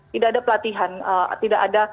tidak ada pelatihan tidak ada